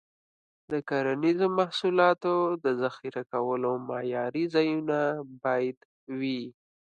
د کرنیزو محصولاتو د ذخیره کولو معیاري ځایونه باید وي.